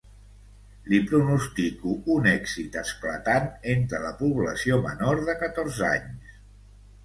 Li pronostico un èxit esclatant entre la població menor de catorze anys.